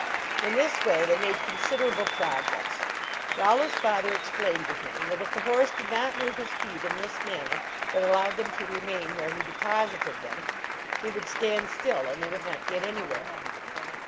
In this way they made considerable progress. Rollo s father explained to him, that if the horse did not move his feet in this manner, but allowed them to remain where he de posited them, he would stand still, and they would not get anywhere.